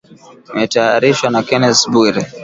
Imetayarishwa na Kennes Bwire